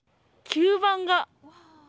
吸盤が。